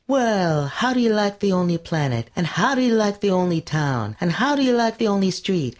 "Well, how do you like the Only Planet? and how do you like the Only Town? and how do you like the Only Street?"